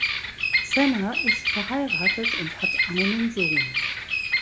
Zenner ist verheiratet und hat einen Sohn.